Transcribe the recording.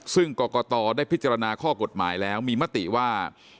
ซึ่งกรกตได้พิจารณาข้อกฎหมายแล้วมีมติว่า